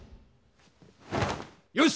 よし！